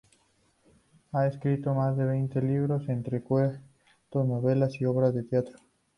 Ha escrito más de veinte libros entre cuentos, novelas y obras de teatro.